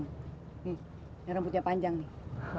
nih yang rambutnya panjang nih